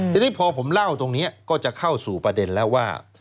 ทีนี้พอผมเล่าตรงนี้ก็จะเข้าสู่ประเด็นแล้วว่า